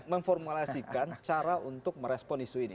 memformulasikan cara untuk merespon isu ini